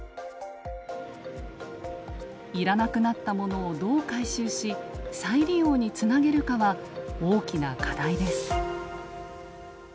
要らなくなったものをどう回収し再利用につなげるかは大きな課題です。